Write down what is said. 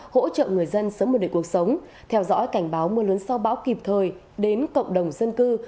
hỗ trợ người dân sớm một đời cuộc sống theo dõi cảnh báo mưa lớn sau bão kịp thời đến cộng đồng dân cư